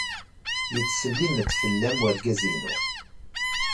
Yettsellim-d fell-am wergaz-inu.